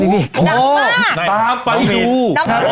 โหตามไปดู